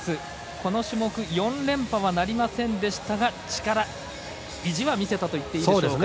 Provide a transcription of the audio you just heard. この種目４連覇はなりませんでしたが力、意地は見せたといったところでしょうか。